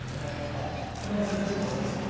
あっこれもフレンチの技ですか？